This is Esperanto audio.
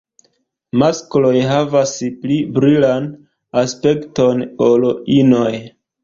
Maskloj havas pli brilan aspekton ol inoj.